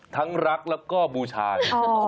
ทั้งรักแล้วก็บูชา